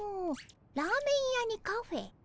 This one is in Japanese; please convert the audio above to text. ラーメン屋にカフェ。